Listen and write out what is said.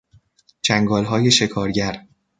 چنگالهای شکارگر